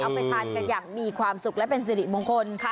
ไปทานกันอย่างมีความสุขและเป็นสิริมงคลค่ะ